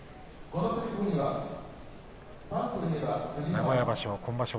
名古屋場所